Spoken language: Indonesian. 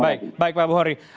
baik baik pak buhori